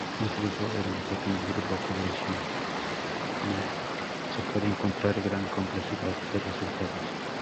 Incluso en un pequeño grupo poblacional se puede encontrar gran complejidad de resultados.